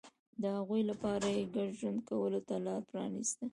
د هغوی لپاره یې ګډ ژوند کولو ته لار پرانېسته